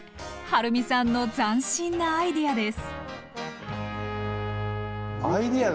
はるみさんの斬新なアイデアです。